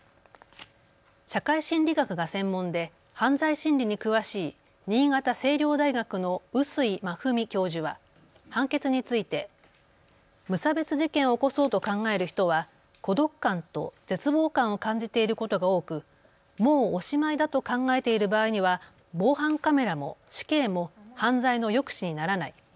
社会心理学が専門で犯罪心理に詳しい新潟青陵大学の碓井真史教授は判決について無差別事件を起こそうと考える人は孤独感と絶望感を感じていることが多くもうおしまいだと考えている場合には防犯カメラも死刑も犯罪の抑止にならない。